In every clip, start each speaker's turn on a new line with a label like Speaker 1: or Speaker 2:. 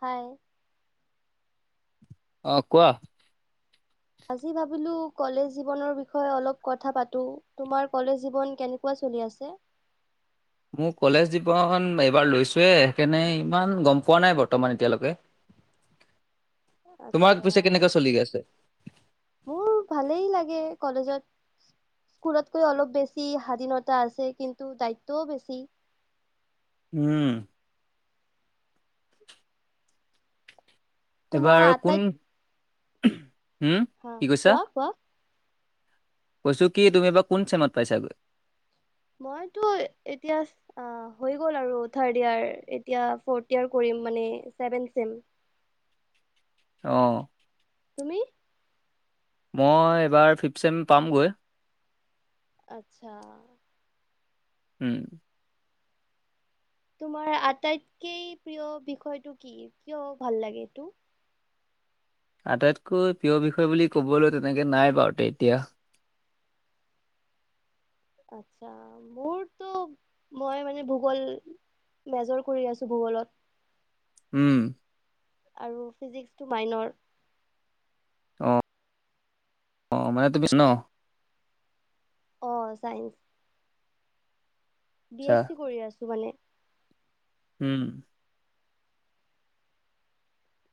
Speaker 1: হাই।
Speaker 2: অ' কোৱা?
Speaker 1: আজি ভাবিলোঁ কলেজ জীৱনৰ বিষয়ে অলপ কথা পাতো। তোমাৰ কলেজ জীৱন কেনেকুৱা চলি আছে?
Speaker 2: মোৰ কলেজ জীৱন এইবাৰ লৈছোহে সেইকাৰণে ইমান গ'ম পোৱা নাই বৰ্তমান এতিয়ালৈকে। তোমাৰ
Speaker 1: আচ্ছা।
Speaker 2: পিছে কেনেকে চলি আছে
Speaker 1: মোৰ ভালেই লাগে কলেজত। ঘৰতকৈ অলপ বেছি স্বাধীনতা আছে কিন্তু দায়িত্বও বেছি।
Speaker 2: উম।
Speaker 1: তোমাৰ
Speaker 2: এইবাৰ কোন
Speaker 1: আটাইত
Speaker 2: হম
Speaker 1: হ
Speaker 2: কি
Speaker 1: কোৱা কোৱা?
Speaker 2: কৈছোঁ কি তুমি বা কোন চেমত পাইছাগৈ?
Speaker 1: মইতো এতিয়া আ, হৈ গ'ল আৰু থাৰ্ড ইয়াৰ, এতিয়া ফৰ্ট ইয়াৰ কৰিম মানে ছেভেন ছেম।
Speaker 2: অ'।
Speaker 1: তুমি?
Speaker 2: মই এইবাৰ ফিফট চেম পামগৈ।
Speaker 1: আচ্ছা।
Speaker 2: হুম।
Speaker 1: তোমাৰ আটাইতকেই প্ৰিয় বিষয়টো কি? কিয় ভাল লাগে এইটো?
Speaker 2: আটাইতকৈ প্ৰিয় বিষয় বুলি ক'বলৈ তেনেকে নাই বাৰুতে এতিয়া।
Speaker 1: আচ্ছা। মোৰতো মই মানে ভূগোল মেজৰ কৰি আছোঁ ভূগোলত।
Speaker 2: উম।
Speaker 1: আৰু ফিজিক্সটো মাইনৰ।
Speaker 2: অ', অ' মানে তুমি ইচ ন'?
Speaker 1: অ' চাইন্স। বি
Speaker 2: আচ্ছা
Speaker 1: এছ চি কৰি আছোঁ মানে।
Speaker 2: উম।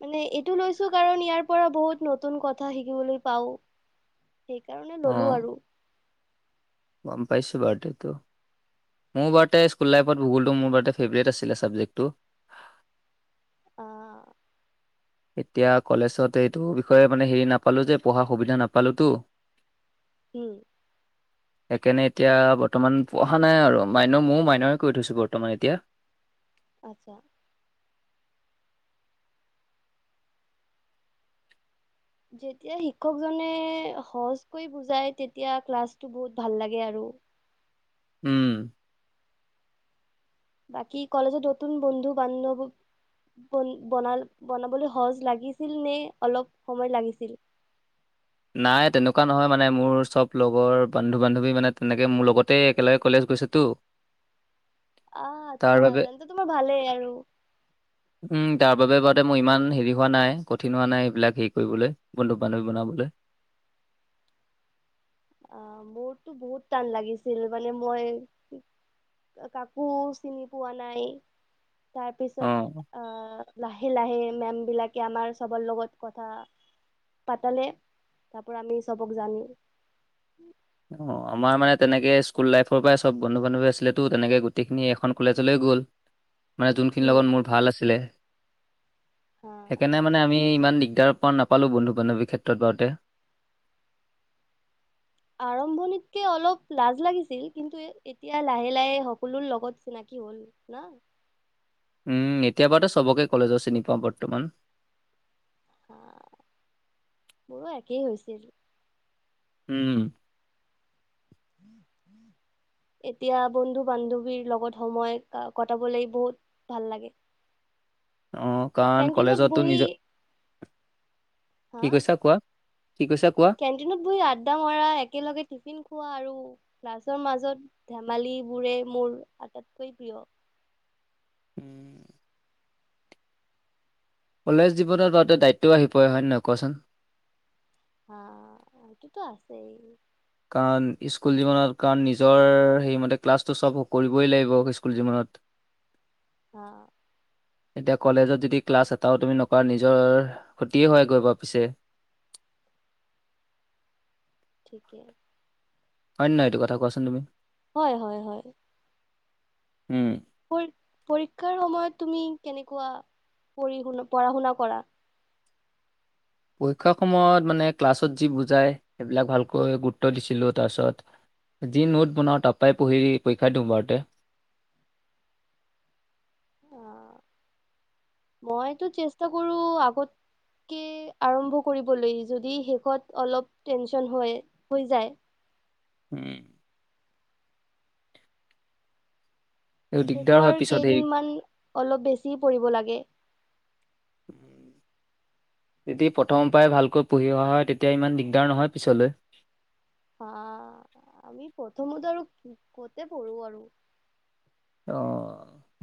Speaker 1: মানে এইটো লৈছোঁ কাৰণ ইয়াৰপৰা বহুত নতুন কথা শিকিবলৈ পাও। সেইকাৰণে
Speaker 2: অ
Speaker 1: ললোঁ আৰু।
Speaker 2: গম পাইছোঁ, বাৰ্টডে টো। মোৰ বাৰ তে স্কুল লাইফত, ভূগলটো মোৰ বাৰ টে ফেভৰেট আছিলে ছাবজেক্টটো।
Speaker 1: আ।
Speaker 2: এতিয়া কলেজত, এইটো বিষয়ে মানে হেৰি নাপালোঁ যে পঢ়াৰ সুবিধা নাপালোতো।
Speaker 1: উম।
Speaker 2: সেইকাৰণে এতিয়া বৰ্তমান পঢ়া নাই আৰু মাইন' মইয়ো মাইনৰে কৰি থৈছোঁ, বৰ্তমান এতিয়া।
Speaker 1: আতচ্ছা। যেতিয়া শিক্ষকজনে সহজকৈ বুজাই তেতিয়া ক্লাছটো বহুত ভাল লাগে আৰু।
Speaker 2: উম।
Speaker 1: বাকী, কলেজৰ নতুন বন্ধু-বান্ধৱ বন বনাল বনাবলৈ সহজ লাগিছিল নে অলপ সময় লাগিছিল।
Speaker 2: নাই, তেনেকুৱা নহয় মানে। মোৰ চব লগৰ বান্ধু- বান্ধৱী মানে তেনেকে মোৰ লগতে একেলগে কলেজ গৈছেটো। ট'।
Speaker 1: আ, আটচ্ছা। তেন্তে তোমাৰ ভালেই আৰু।
Speaker 2: উম। তাৰ বাবে বাদে মই ইমান হেৰি হোৱা নাই, কঠিন হোৱা নাই সেইবিলাক হেৰি কৰিবলৈ। বন্ধু-বান্ধৱী বনাবলৈ।
Speaker 1: অ, মোৰতো বহুত টান লাগিছিল। মানে মই কাকো চিনি পোৱা নাই।
Speaker 2: অ'।
Speaker 1: তাৰপিছত আ লাহে লাহে মেম বিলাকে আমাৰ চবৰ লগত কথা পাতালে, তাৰ পৰা আমি চবক জানি। [inaudible]
Speaker 2: অ', আমাৰ মানে তেনেকে স্কুল লাইফৰ পৰাই চব বন্ধু বান্ধৱী আছিলেতো, তেনেকে গোটেইখিনি এখন কলেজলৈ গ'ল। মানে যোনখিনিৰ
Speaker 1: উম
Speaker 2: লগত মোৰ ভাল আছিলে।
Speaker 1: হা
Speaker 2: সেইকাৰণে মানে আমি ইমান দিগদাৰ প নাপালোঁ, বন্ধু বান্ধৱীৰ ক্ষেত্ৰত বাৰতে।
Speaker 1: আৰম্ভণিত কে অলপ লাজ লাগিছিল, কিন্তু এতিয়া লাহে লাহে সকলোৰ লগত চিনাকি হ'ল। না'।
Speaker 2: উম। এতিয়া, বাৰতো চবকে কলেজৰ চিনি পাওঁ বৰ্তমান।
Speaker 1: হ, মোৰো একেই হৈছিল।
Speaker 2: উম।
Speaker 1: [inaudible] এতিয়া, বন্ধু বান্ধৱীৰ লগত সময় কটাবলৈ বহুত ভাল লাগে। [inaudible]
Speaker 2: অ, কাৰণ
Speaker 1: কেন্টিনত
Speaker 2: কলেজতো
Speaker 1: বহি
Speaker 2: নিজৰ-
Speaker 1: হা
Speaker 2: কি কৈছা কোৱা। কি কৈছা কোৱা।
Speaker 1: কেণ্টিনত বহি আড্ডা মাৰা, একেলগে টিফিন খোৱা আৰু লাছৰ মাজত ধেমালীবোৰে মোৰ আটাইতকৈ প্ৰিয়।
Speaker 2: [inaudible] কলেজ জীৱনত বাওতে দায়িত্বও আহি পৰে। হয় নহয় কোৱাচোন?
Speaker 1: হা, সেইটোতো আছেই।
Speaker 2: কাৰণ ইস্কুল জীৱনত, কাৰণ নিজৰ সেইমতে ক্লাছটো চব কৰিবই লাগিব ইস্কুল জীৱনত।
Speaker 1: হ'।
Speaker 2: এতিয়া কলেজত যদি ক্লাছ এটাও তুমি নকৰা, নিজৰ ক্ষতিয়ে হয়গৈ বাও পিছে।
Speaker 1: ঠিকে।
Speaker 2: হয় নয়টো কথা, কোৱাচোন তুমি।
Speaker 1: হয়, হয়, হয়।
Speaker 2: উম,
Speaker 1: পৰী পৰীক্ষাৰ সময়ত তুমি কেনেকুৱা পঢ়ি শুন, পঢ়া শুনা কৰা।
Speaker 2: পৰীক্ষাৰ সময়ত মানে ক্লাছত যি বুজাই, সেইবিলাক ভালকৈ গুৰুত্ব দিছিলো তাৰপিছত। যি নোট বনাও, তাৰ পআই পঢ়ি পৰীক্ষা দিওঁ বাৰুতে।
Speaker 1: অ, মইতো চেষ্টা কৰো আগত কি আৰম্ভ কৰিবলৈ, যদি শেষত অলপ টেনচন হয়, হৈ যায়।
Speaker 2: উম। এই দিগদাৰ হয়
Speaker 1: শেষৰ
Speaker 2: পিছত হেৰি
Speaker 1: কেইদিনমান অলপ বেছি পঢ়িব লাগে। [inaudible]
Speaker 2: যদি প্ৰথম পৰাই ভালকৈ পঢ়ি অহা হয় তেতিয়া ইমান দিগদাৰ নহয় পিছলৈ।
Speaker 1: হা, আমি প্ৰথমত আৰু ক'তে পঢ়ো আৰু।
Speaker 2: অ',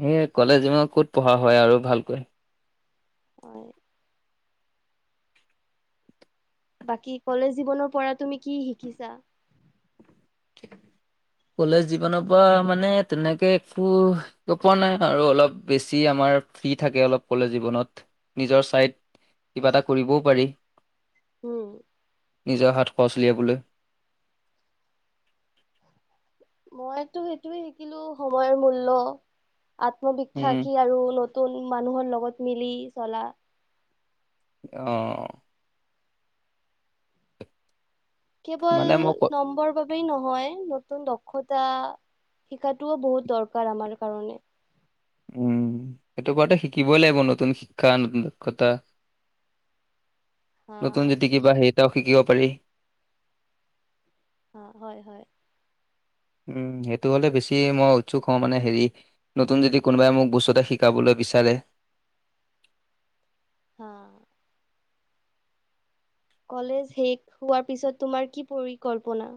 Speaker 2: সেই কলেজ ক'ত পঢ়া হয় আৰু ভালকৈ।
Speaker 1: হয়। বাকী কলেজ জীৱনৰ পৰা তুমি কি শিকিছা? [inaudible]
Speaker 2: কলেজ জীৱনৰ পৰা মানে তেনেকে একো পোৱা নাই আৰু অলপ বেছি আমাৰ ফ্ৰী থাকে অলপ কলেজ জীৱনত নিজৰ চাইড কিবা এটা কৰিবও পাৰি।
Speaker 1: উম।
Speaker 2: নিজৰ হাত খৰচ উলিয়াবলৈ।
Speaker 1: মইতো সেইটোয়ে শিকিলো সময়ৰ মূল্য
Speaker 2: উম।
Speaker 1: আত্মবিশ্বাস কি আৰু নতুন মানুহৰ লগত মিলি চলা।
Speaker 2: অ'।
Speaker 1: কেৱল
Speaker 2: মানে মই ক
Speaker 1: নম্বৰ বাবে নহয়, নতুন দক্ষতা শিকাটোও বহুত দৰকাৰ আমাৰ কাৰণে।
Speaker 2: উম, সেইটো কৰাটো শিকিবই লাগিব নতুন শিক্ষা নতুন দক্ষতা।
Speaker 1: [inaudible]
Speaker 2: নতুন যদি কিবা সেইটাও শিকিব পাৰি
Speaker 1: অ', হয় হয়।
Speaker 2: উম, সেইটো হ'লে বেছি মই উৎসুক হওঁ মানে হেৰি নতুন যদি কোনোবাই মোক বস্তুতে শিকাবলৈ বিচাৰে
Speaker 1: হা কলেজ শেষ হোৱাৰ পিছত তোমাৰ কি পৰিকল্পনা?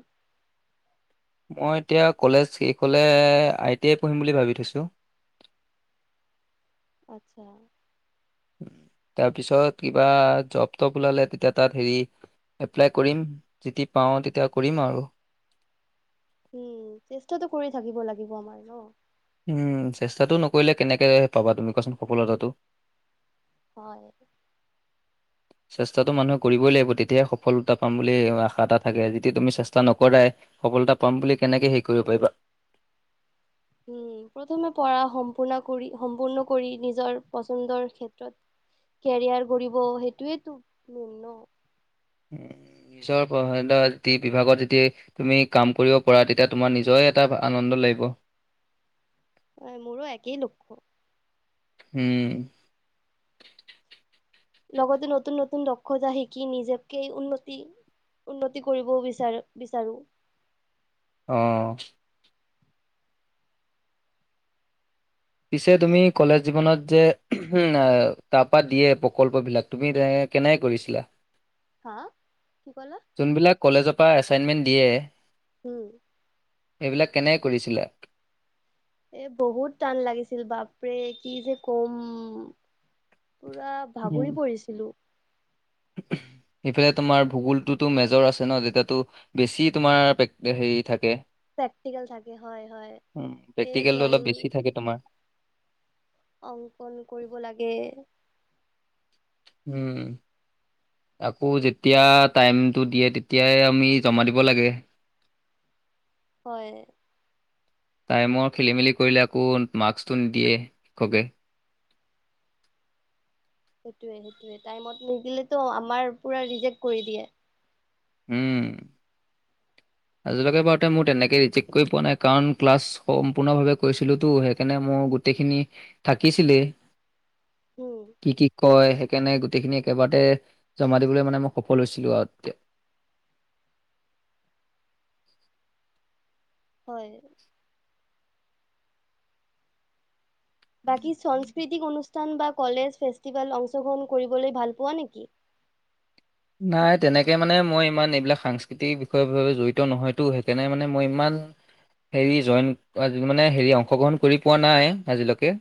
Speaker 2: মই এতিয়া কলেজ শেষ হ'লে আই টি আই পঢ়িম বুলি ভাবি থৈছোঁ।
Speaker 1: আচ্ছা।
Speaker 2: তাৰপিছত কিবা জপ টপ ওলালে তেতিয়া তাত হেৰি এপ্লাই কৰিম যদি পাওঁ তেতিয়া কৰিম আৰু
Speaker 1: উম, চেষ্টাতটো কৰি থাকিব লাগিব আমাৰ ন'।
Speaker 2: উম, চেষ্টাটো নকৰিলে কেনেকে পাবা তুমি কোৱাচোন সফলতাটো।
Speaker 1: হয়।
Speaker 2: চেষ্টাতটো মানুহে কৰিবই লাগিব তেতিয়াহে সফলতা পাম বুলি আশা এটা থাকে যদি তুমি চেষ্টা নকৰাই সফলতা পাম বুলি কেনেকে হেৰি কৰিব পাৰিবা?
Speaker 1: উম প্ৰথমে পঢ়া সম্পূৰ্ণ কৰি সম্পূৰ্ণ কৰি নিজৰ পচন্দৰ ক্ষেত্ৰত কেৰিয়াৰ কৰিব সেইটোয়েই তো মেইন ন'।
Speaker 2: নিজৰ প্ৰ [unintelligible] য বিভাগত যেতিয়া তুমি কাম কৰিব পাৰা তেতিয়া তোমাৰ নিজৰে এটা আনন্দ লাগিব।
Speaker 1: হয় মোৰো একেই লক্ষ্য।
Speaker 2: উম।
Speaker 1: লগতে নতুন নতুন দক্ষতা শিকি নিজেক উন্নতি উন্নতি কৰিব বিচাৰো বিচাৰো।
Speaker 2: অ'। পিছে তুমি কলেজ জীৱনত যে তাৰপা দিয়ে প্ৰকল্পবিলাক তুমি তেনেকে কেনেকে কৰিছিলা?
Speaker 1: হা কি ক'লা?
Speaker 2: যোনবিলাক কলেজৰ পৰা এছাইনমেণ্ট দিয়ে
Speaker 1: উম।
Speaker 2: এইবিলাক কেনেক কৰিছিলে?
Speaker 1: এ বহুত টান লাগিছিল বাপৰে কি যে কম পুৰা ভাগৰি পৰিছিলো।
Speaker 2: সেইটোৱে তোমাৰ ভূগোলটোতো মেজৰ আছে ন যেতিয়াটো বেছি তোমাৰে পেক হেৰি থাকে।
Speaker 1: প্ৰেক্টিকেল থাকে হয় হয়।
Speaker 2: উম,
Speaker 1: এই
Speaker 2: প্ৰেক্টিকেলটো
Speaker 1: ড্ৰয়িং
Speaker 2: অলপ বেছি থাকে তোমাৰ।
Speaker 1: অংকন কৰিব লাগে।
Speaker 2: উম। আকৌ যেতিয়া টাইমটো দিয়ে তেতিয়াই আমি জমা দিব লাগে।
Speaker 1: হয়।
Speaker 2: টাইমৰ খেলি মেলি কৰিলে আকৌ মাস্কটো নিদিয়ে শিক্ষকে।
Speaker 1: সেইটোৱে সেইটোৱে টাইমত নিদিলেতো আমাৰ পুৰা ৰিজেক্ট কৰি দিয়ে।
Speaker 2: উম। আজিলৈকে বাৰুতে মোৰ তেনেকৈ ৰিজেক্ট কৰি পোৱা নাই। কাৰণ ক্লাছ সম্পূৰ্ণভাৱে কৰিছিলোতো সেইকাৰণে মোৰ গোটেইখিনি থাকিছিলে কি কি কয় কেনে গোটেইখিনি একেবাৰতে জমা দিবলৈ মানে মই সফল হৈছিলো আৰু।
Speaker 1: হয়। বাকী সংস্কৃতিক অনুষ্ঠান বা কলেজ ফেষ্টিভেল অংশগ্ৰহণ কৰিবলৈ ভাল পোৱা নেকি?
Speaker 2: নাই তেনেকে মানে মই ইমান এইবিলাক সাংস্কৃতিক বিষয়ৰ জড়িত নহয়তো সেইকাৰণে মানে মই ইমান হেৰি জইন মানে হেৰি অংশগ্ৰহণ কৰি পোৱা নাই আজিলৈকে।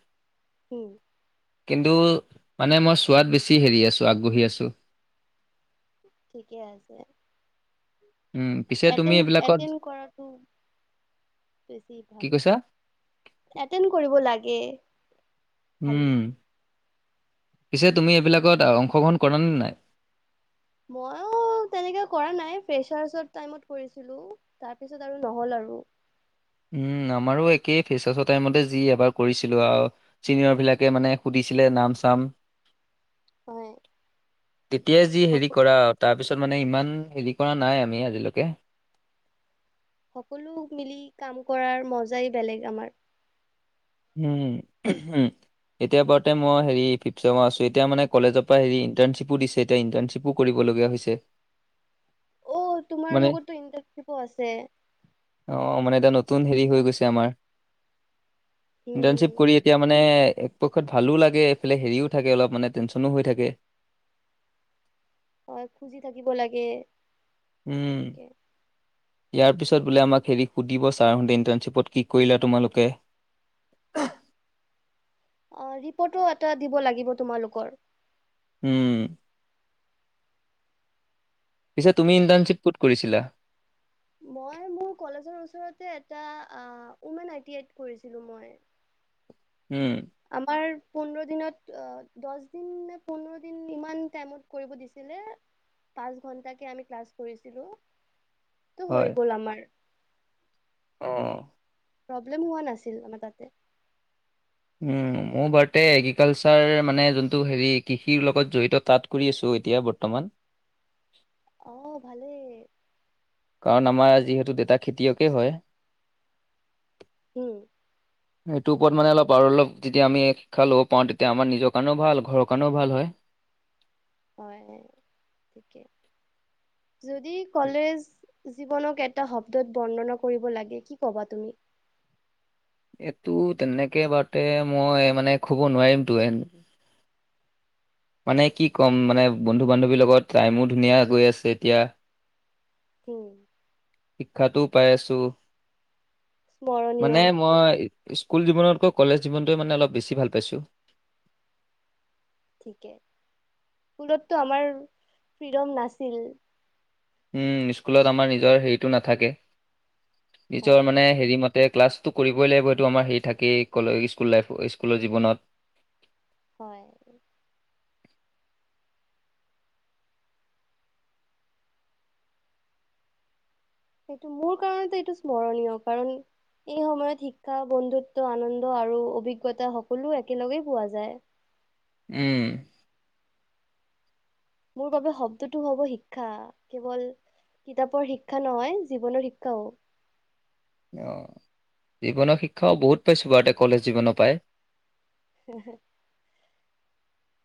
Speaker 1: হম।
Speaker 2: কিন্তু মানে মই চোৱাত বেছি হেৰি আছো আগ্ৰহি আছো।
Speaker 1: ঠিকে আছে।
Speaker 2: উম পিছে তুমি
Speaker 1: এটেণ্ড
Speaker 2: এইবিলাকত
Speaker 1: এটেণ্ড কৰাটো বেছি
Speaker 2: কি
Speaker 1: ভাল
Speaker 2: কৈছা
Speaker 1: এতেণ্ড কৰিব লাগে। খালি।
Speaker 2: উম, পিছে তুমি এইবিলাকত অংশগ্ৰহণ কৰা নে নাই?
Speaker 1: মই তেনেকে কৰা নাই, ফেঁচাৰ্শৰ টাইমত কৰিছিলো। তাৰ পিছত আৰু নহ'ল আৰু।
Speaker 2: উম, আমাৰো একেই ফেৰ্চাচৰ টাইমতে যি এবাৰ কৰিছিলো আৰু। চিনিয়ৰবিলাকে মানে সুধিছিলে নাম চাম।
Speaker 1: হয়
Speaker 2: তেতিয়াই যি
Speaker 1: সক
Speaker 2: হেৰি কৰা আৰু। তাৰপিছত মানে ইমান হেৰি কৰা নাই আমি আজিলৈকে।
Speaker 1: সকলো মিলি কাম কৰাৰ মজাই বেলেগ আমাৰ।
Speaker 2: উম, [unintelligible] এতিয়া বাৰতে মই হেৰি ফিফ্ চেমত আছো। এতিয়া মানে কলেজৰ পৰা হেৰি ইণ্টাৰ্ণশ্বিপো দিছে। এতিয়া ইণ্টাৰ্ণশ্বিপো কৰিবলগীয়া হৈছে।
Speaker 1: অ', তোমাৰ
Speaker 2: মানে
Speaker 1: লগতো ইণ্টাৰ্ণশ্বিপো আছে।
Speaker 2: অ', মানে এটা নতুন হেৰি হৈ গৈছে আমাৰ। ইণ্টাৰ্ণশ্বিপ কৰি
Speaker 1: উম
Speaker 2: এতিয়া মানে একপক্ষত ভালো লাগে এইফালে হেৰিও থাকে অলপ মানে টেনশনো হৈ থাকে।
Speaker 1: হয় খুজি থাকিব লাগে।
Speaker 2: উম।
Speaker 1: ঠিকে
Speaker 2: ইয়াৰ পিছত বোলে আমাক হেৰি সুধিব ছাৰহঁতে ইণ্টাৰ্ণশ্বিপত কি কৰিলা তোমালোকে।
Speaker 1: অ', ৰিপৰ্টো এটা দিব লাগিব তোমালোকৰ।
Speaker 2: উম। পিছে তুমি ইণ্ট্ণশ্বিপ ক'ত কৰিছিলা?
Speaker 1: মই মোৰ কলেজৰ ওচৰতে এটা উমেন আই টি আইট কৰিছিলো মই।
Speaker 2: উম।
Speaker 1: আমাৰ পোন্ধৰ দিনত দহ দিন নে পোন্ধৰ দিন ইমান টাইমত কৰিব দিছিলে। পাঁচ ঘন্টাকে আমি ক্লাছ কৰিছিলোটো
Speaker 2: হয়
Speaker 1: হৈ গ'ল আমাৰ।
Speaker 2: অ'।
Speaker 1: প্ৰব্লেম হোৱা নাছিল আমাৰ তাতে।
Speaker 2: উম, মোৰ বাৰতে এগ্ৰিকালচাৰ মানে যোনটো হেৰি কৃষিৰ লগত জড়িত তাত কৰি আছোঁ এতিয়া বৰ্তমান।
Speaker 1: অহ, ভালেই।
Speaker 2: কাৰণ আমাৰ যিহেতু দেউতা খেতিয়কেই হয়।
Speaker 1: উম।
Speaker 2: সেইটো ওপৰত মানে অলপ আৰু অলপ হেতু ওপৰত মানে ওপৰত আৰু অলপ তেতিয়া আমি শিক্ষা ল'ব পাৰোঁ তেতিয়া আমাৰ নিজৰ কাৰণেও ভাল, ঘৰৰ কাৰণেও ভাল হয়।
Speaker 1: হয়, হয়, ঠিকেই। যদি কলেজ জীৱনক এটা শব্দত বৰ্ণনা কৰিব লাগে, কি ক'বা তুমি?
Speaker 2: এইটো তেনেকে এবাৰতে, মই মানে কব নোৱাৰিমতো এনে মানে কি ক'ম মানে বন্ধু বান্ধৱীৰ লগত টাইমো ধুনীয়া গৈ আছে এতিয়া।
Speaker 1: হম।
Speaker 2: শিক্ষাটো পাই আছোঁ।
Speaker 1: স্মৰণীয়
Speaker 2: মানে মই স্কুল জীৱনকৈ কলেজ জীৱনটোৱে মানে অলপ বেছি ভাল পাইছোঁ।
Speaker 1: ঠিকে, স্কলততো আমাৰ ফ্ৰীডম নাছিল।
Speaker 2: উম, স্কুলত আমাৰ নিজৰ হেৰিতটো নাথাকে, নিজৰ
Speaker 1: হয়
Speaker 2: মানে হেৰি ম তে ক্লাছটো কৰিবই লাগিব এইটো আমাৰ হেৰি থাকেই, কলেজ লাই স্কুলৰ জীৱনত।
Speaker 1: হয়। সেইটো মোৰ কাৰণতো এইটো স্মৰণীয় কাৰণ এই সময়ত শিক্ষা বন্ধুত্ব আনন্দ আৰু অভিজ্ঞতা সকলো একেলগেই পোৱা যায়।
Speaker 2: উম।
Speaker 1: মোৰ বাবে শব্দটো হ'ব শিক্ষা কেৱল কিতাপৰ শিক্ষা নহয়, জীৱনৰ শিক্ষাও।
Speaker 2: অহ, জীৱনৰ শিক্ষাও বহুত পাইছোঁ বাৰু তে' কলেজ জীৱনৰ পাই।
Speaker 1: হেহে